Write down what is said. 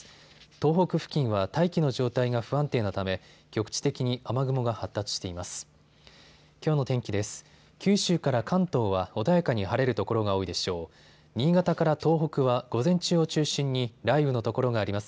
東北付近は大気の状態が不安定なため局地的に雨雲が発達しています。